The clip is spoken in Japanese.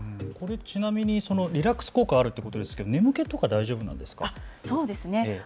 ちなみにリラックス効果があるということですが、眠気とかは大丈夫なんですか。